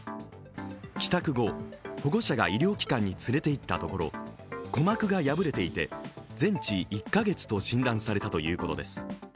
帰宅後、保護者が医療機関に連れていったところ、鼓膜が敗れていて全治１か月と診断されたということです。